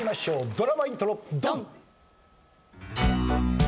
ドラマイントロドン！